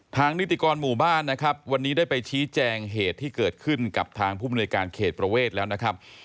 นิติกรหมู่บ้านนะครับวันนี้ได้ไปชี้แจงเหตุที่เกิดขึ้นกับทางผู้มนุยการเขตประเวทแล้วนะครับ